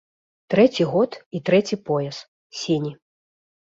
Трэці год і трэці пояс, сіні.